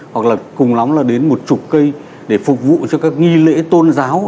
hoặc là cùng lóng là đến một chục cây để phục vụ cho các nghi lễ tôn giáo